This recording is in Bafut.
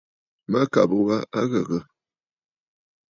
Mâkàbə̀ wa a ghə̀gə̀.